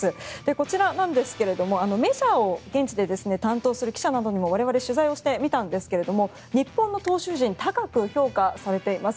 こちらなんですが、メジャーを現地で担当する記者などにも我々、取材をしてみたんですが日本の投手陣高く評価されています。